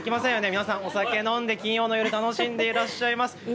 皆さん、お酒飲んで金曜の夜楽しんでいらっしゃいます。